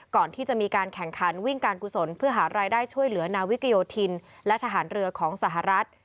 ก่อนที่จะมีการแข่งขันวิ่งการกุศลเพื่อหารายได้ช่วยเหลือนาวิกโยธินและทหารเรือของสหรัฐ